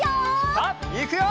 さあいくよ！